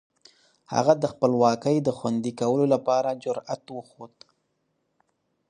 هغه د خپلواکۍ د خوندي کولو لپاره جرئت وښود.